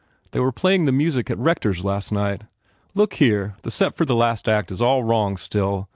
They were playing the music at Rector s last night. Look here, the set for the last act s all wrong, still.